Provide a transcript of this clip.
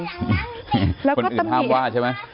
คนอื่นห้ามว่าใช่ไหม